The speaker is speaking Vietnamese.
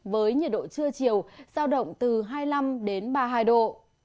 với nhiệt độ trưa chiều sao động từ hai mươi năm đến ba mươi hai độ